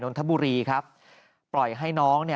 นทบุรีครับปล่อยให้น้องเนี่ย